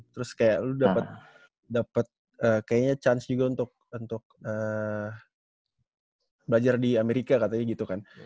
terus kayak lu dapet dapet kayaknya chance juga untuk untuk belajar di amerika katanya gitu kan